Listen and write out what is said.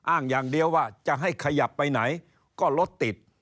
อ้างอย่างเดียวว่าจะให้ขยับไปไหนก็รถติด